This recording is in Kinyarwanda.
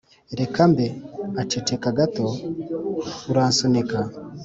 'reka mbe!' aceceka gato. '' 'uransunika,